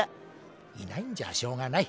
いないんじゃしょうがない。